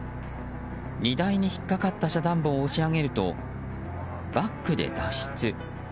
荷台に引っかかった遮断棒を押し上げると、バックで脱出。